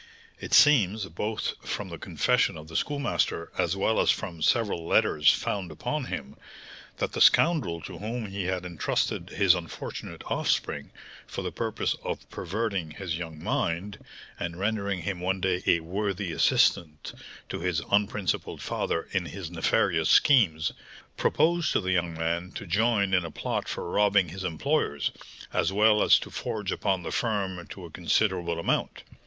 "It seems, both from the confession of the Schoolmaster as well as from several letters found upon him, that the scoundrel to whom he had entrusted his unfortunate offspring, for the purpose of perverting his young mind, and rendering him one day a worthy assistant to his unprincipled father in his nefarious schemes, proposed to the young man to join in a plot for robbing his employers, as well as to forge upon the firm to a considerable amount.